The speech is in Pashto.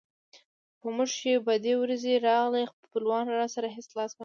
په موږ چې بدې ورځې راغلې خپلوانو راسره هېڅ لاس ونه کړ.